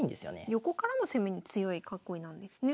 横からの攻めに強い囲いなんですね。